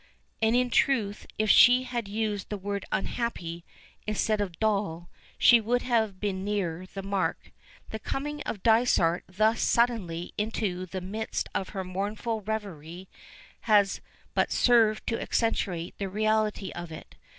And in truth if she had used the word "unhappy" instead of "dull" she would have been nearer the mark. The coming of Dysart thus suddenly into the midst of her mournful reverie has but served to accentuate the reality of it.